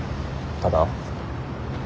ただ？